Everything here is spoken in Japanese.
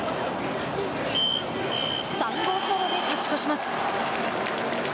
３号ソロで勝ち越します。